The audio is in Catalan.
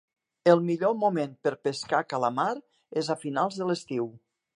El millor moment per pescar calamar és a finals de l'estiu.